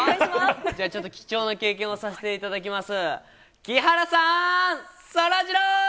じゃあちょっと、貴重な経験をさせていただきます。